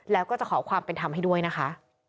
แล้วก็จะขอความเป็นธรรมให้ด้วยนะคะ